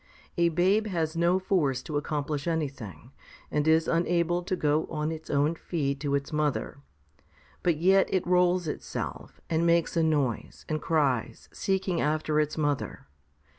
A babe has no force to accomplish anything, and is unable to go on its own feet to its mother; but yet it rolls itself, and makes a noise, and cries, seeking after its mother.